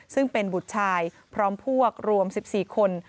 ซึ่งเป็นบุตรชายพร้อมพวกรวม๑๔คน